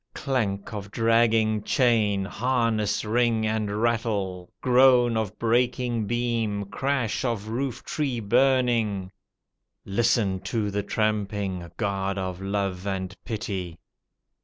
Clank of dragging chain, harness ring and rattle, Groan, of breaking beam, crash of roof tree burning. Listen to the tramping! — God of love and pity!